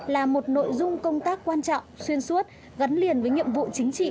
là một nội dung công tác quan trọng xuyên suốt gắn liền với nhiệm vụ chính trị